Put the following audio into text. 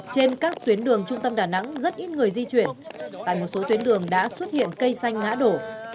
trên các tuyến đường trung tâm đà nẵng rất ít người di chuyển tại một số tuyến đường đã xuất hiện cây xanh ngã đổ